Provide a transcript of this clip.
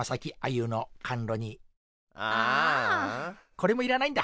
これもいらないんだ。